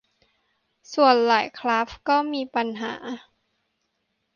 ส่วนหลายคราฟต์มีปัญหา